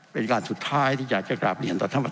เป็นการสุดท้ายที่